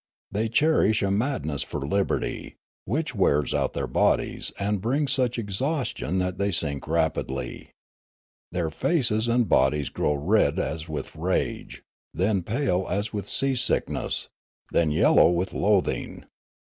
They cher ish a madness for liberty, which w^ears out their bodies and brings such exhaustion that they sink rapidl}'. Their faces and bodies grow red as with rage, then pale as with sea sickness, then yellow with loathing.